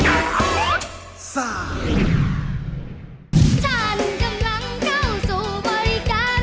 ฉันกำลังเข้าสู่บริการ